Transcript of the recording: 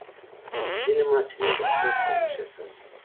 ځینې محصلین د خوب کمښت احساسوي.